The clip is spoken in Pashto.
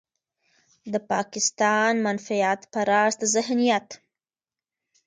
د پاکستان منفعت پرست ذهنيت.